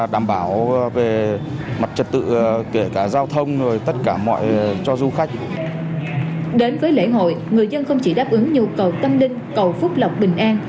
đến với lễ hội người dân không chỉ đáp ứng nhu cầu tâm linh cầu phúc lọc bình an